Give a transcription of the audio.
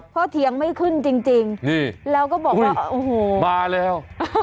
เพราะเถียงไม่ขึ้นจริงแล้วก็บอกว่าโอ้โหมาแล้ว